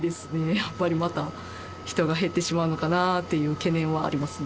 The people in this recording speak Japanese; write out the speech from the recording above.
やっぱりまた人が減ってしまうのかなっていう懸念はありますね。